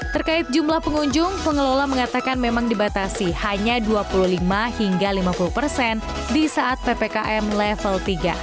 terkait jumlah pengunjung pengelola mengatakan memang dibatasi hanya dua puluh lima hingga lima puluh persen di saat ppkm level tiga